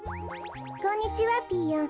こんにちはピーヨン。